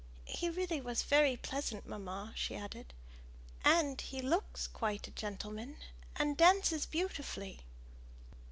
"He really was very pleasant, mamma," she added; "and he looks quite a gentleman, and dances beautifully!"